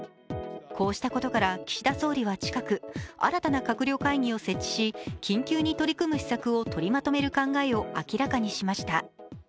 こうしたことから岸田総理は近く新たな閣僚会議を設置し緊急に取り組む施策を取りまとめる考えを明らかにしました。